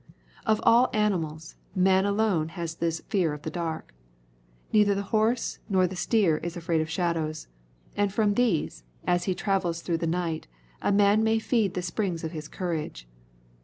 Of all animals, man alone has this fear of the dark. Neither the horse nor the steer is afraid of shadows, and from these, as he travels through the night, a man may feed the springs of his courage.